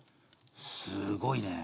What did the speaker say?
すごいね。